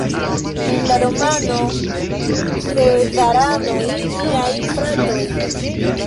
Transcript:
En la romano Sezaranoj miaj fratoj!